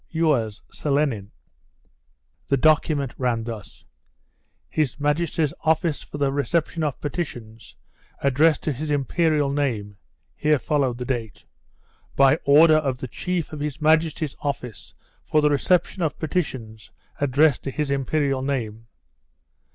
"Yours, "SELENIN." The document ran thus: "His Majesty's office for the reception of petitions, addressed to his Imperial name" here followed the date "by order of the chief of his Majesty's office for the reception of petitions addressed to his Imperial name.